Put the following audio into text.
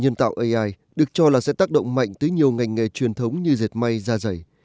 nhân tạo ai được cho là sẽ tác động mạnh tới nhiều ngành nghề truyền thống như dệt may da dày